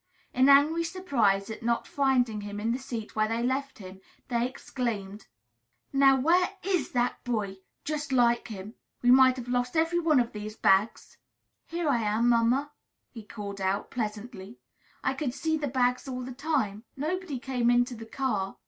In angry surprise at not finding him in the seat where they left him, they exclaimed, "Now, where is that boy? Just like him! We might have lost every one of these bags." "Here I am, mamma," he called out, pleasantly. "I could see the bags all the time. Nobody came into the car."